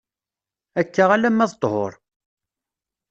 Akka alemma d ṭhur.